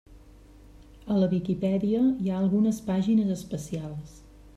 A la Viquipèdia hi ha algunes pàgines especials.